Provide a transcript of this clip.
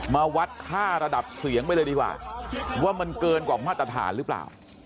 มาวัดค่าระดับเสียงไปเลยดีกว่าว่ามันเกินกว่ามาตรฐานหรือเปล่า